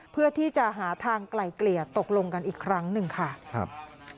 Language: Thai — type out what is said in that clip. เพื่อที่จะหาทางไกลเกลี่ยตกลงกันอีกครั้งหนึ่งค่ะครับ